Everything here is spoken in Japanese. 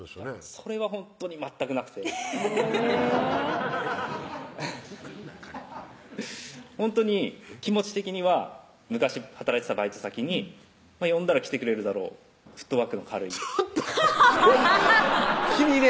それはほんとに全くなくてほんとに気持ち的には昔働いてたバイト先に呼んだら来てくれるだろうフットワークの軽いちょっと待って君ね